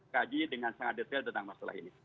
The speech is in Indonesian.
kaji dengan sangat detail tentang masalah ini